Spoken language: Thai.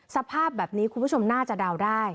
สภาพแบบนี้คุณผู้ชมน่าจะเดาได้